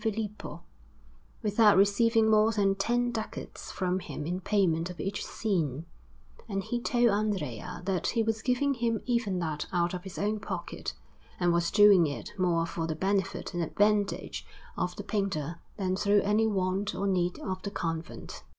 Filippo, without receiving more than ten ducats from him in payment of each scene; and he told Andrea that he was giving him even that out of his own pocket, and was doing it more for the benefit and advantage of the painter than through any want or need of the convent.